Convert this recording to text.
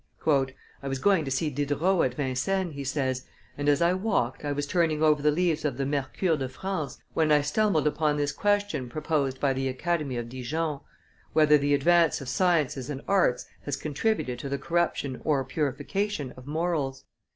"I was going to see Diderot at Vincennes," he says, "and, as I walked, I was turning over the leaves of the Mercure de France, when I stumbled upon this question proposed by the Academy of Dijon: Whether the advance of sciences and arts has contributed to the corruption or purification of morals.